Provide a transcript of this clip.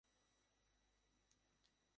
এর পর থেকে দলটিকে আর পেছনে ফিরে তাকাতে হয়নি।